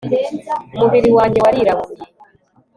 umubiri wanjye warirabuye